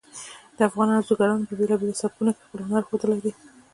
افغان انځورګرانو په بیلابیلو سبکونو کې خپل هنر ښودلی ده